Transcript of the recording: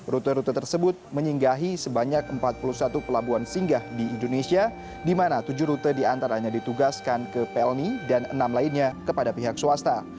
rute rute tersebut menyinggahi sebanyak empat puluh satu pelabuhan singgah di indonesia di mana tujuh rute diantaranya ditugaskan ke pelni dan enam lainnya kepada pihak swasta